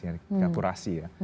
kita sudah pasti memiliki asuransi